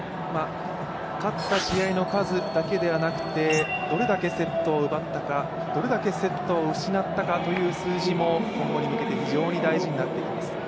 勝った試合の数だけではなくてどれだけセットを奪ったか失ったかという数字も今後に向けて非常に大事になってきます。